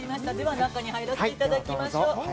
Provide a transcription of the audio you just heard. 中に入らせていただきましょう。